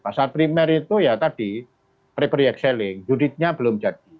pasar primer itu ya tadi pre excelling unitnya belum jadi